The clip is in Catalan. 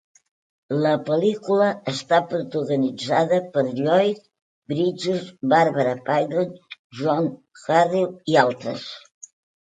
La pel·lícula està protagonitzada per Lloyd Bridges, Barbara Payton, John Hoyt i altres.